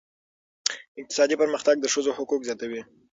اقتصادي پرمختګ د ښځو حقوق زیاتوي.